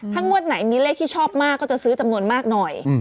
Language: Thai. งวดไหนมีเลขที่ชอบมากก็จะซื้อจำนวนมากหน่อย